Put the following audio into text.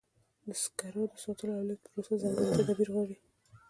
د سکرو د ساتلو او لیږد پروسه ځانګړي تدابیر غواړي.